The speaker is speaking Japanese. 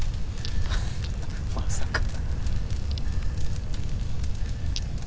まさか。